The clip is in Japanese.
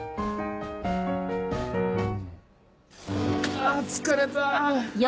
あ疲れた。